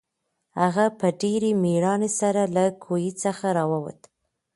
هغه په ډېرې مېړانې سره له کوهي څخه راووت.